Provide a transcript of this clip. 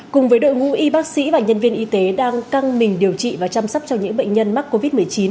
cùng với đội ngũ y bác sĩ và nhân viên y tế đang căng mình điều trị và chăm sóc cho những bệnh nhân mắc covid một mươi chín